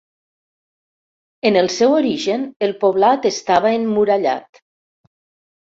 En el seu origen el poblat estava emmurallat.